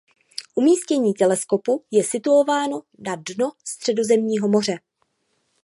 Umístění teleskopu je situováno na dno Středozemního moře.